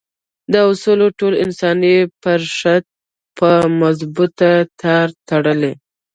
دا اصول ټول انساني پښت په مضبوط تار تړي.